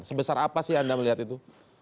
sebesar apa sih anda melihat itu